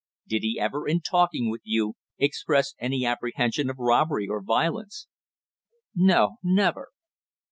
"Did he ever, in talking with you, express any apprehension of robbery or violence?" "No, never."